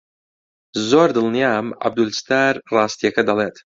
زۆر دڵنیام عەبدولستار ڕاستییەکە دەڵێت.